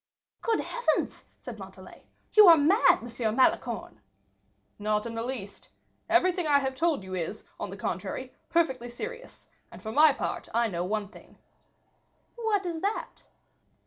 "Good heavens!" said Montalais; "you are mad, M. Malicorne." "Not in the least. Everything I have told you is, on the contrary, perfectly serious; and, for my own part, I know one thing." "What is that?"